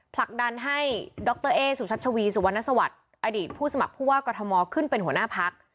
ผลักดันให้ดรเอ๊สุชัชวีสุวรรณสวัสดิ์อดีตผู้สมัครผู้ว่ากรทมขึ้นเป็นหัวหน้าพัก